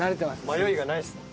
迷いがないですね。